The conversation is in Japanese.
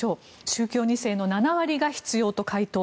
宗教２世の７割が必要と回答。